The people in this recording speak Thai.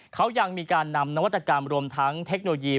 เขายังมีการนำนวัตกรรมรวมทั้งเทคโนโลยี